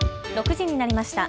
６時になりました。